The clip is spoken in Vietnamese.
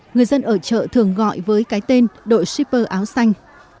người dân ở chợ thường gọi với cái tên đội shipper áo xanh